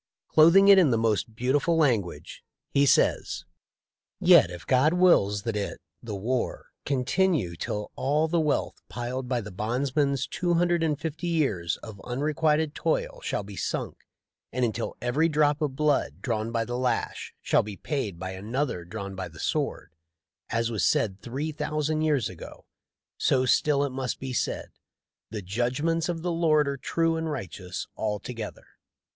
Clothing it in the most beautiful language, he says: "Yet if God wills that it [the war] continue till all the wealth piled by the bondsman's two hundred and fifty years of un requited toil shall be sunk, and until every drop of blood drawn by the lash shall be paid by another drawn by the sword, as was said three thousand years ago, so still it must be said, The judgments of the Lord are true and righteous altogether.'